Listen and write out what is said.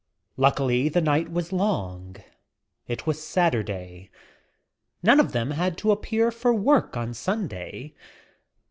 Luckily the night was long — it was Saturday. None of them had to appear for work on Sunday.